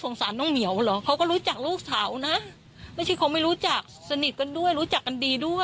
ประสงค์ของเราอยากให้ต้องกำหนดกำเนินการขึ้นขั้น